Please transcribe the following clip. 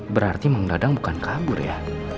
berarti meng dadang bukan kabur ya